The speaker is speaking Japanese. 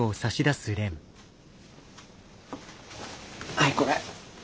はいこれ。